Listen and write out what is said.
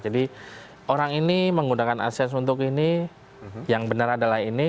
jadi orang ini menggunakan adsense untuk ini yang benar adalah ini